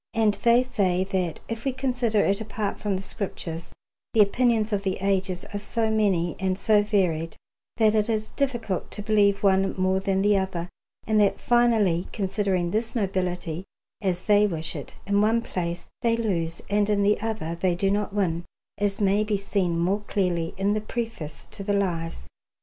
And they say that if we consider it apart from the Scriptures, the opinions of the ages are so many and so varied that it is difficult to believe one more than the other; and that finally, considering this nobility as they wish it, in one place they lose and in the other they do not win, as may be seen more clearly in the Preface to the Lives.